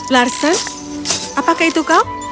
larsen apakah itu kau